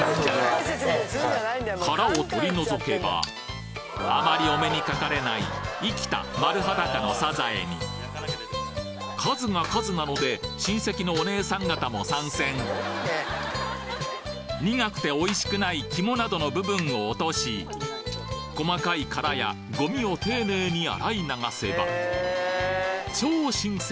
殻を取り除けばあまりお目にかかれない生きた丸ハダカのサザエに数が数なので親戚のお姉さん方も参戦苦くておいしくない肝などの部分を落とし細かい殻やゴミを丁寧に洗い流せば超新鮮！